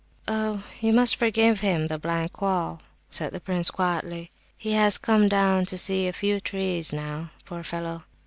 "Oh, you must forgive him the blank wall," said the prince, quietly. "He has come down to see a few trees now, poor fellow."